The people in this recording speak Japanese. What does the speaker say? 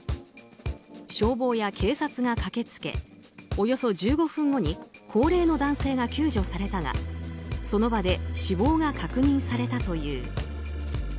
消防や警察が駆けつけおよそ１５分後に高齢の男性が救助されたがその場で死亡が確認されたという。